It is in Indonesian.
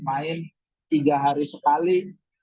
main tiga hari sekali